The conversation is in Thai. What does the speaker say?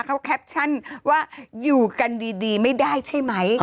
เขาแคปชั่นว่าอยู่กันดีไม่ได้ใช่ไหม